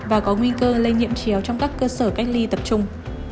và có nguy cơ lây nhiệm chiếu trong các cơ sở cách ly tập trung